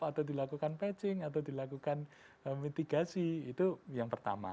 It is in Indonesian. atau dilakukan patching atau dilakukan mitigasi itu yang pertama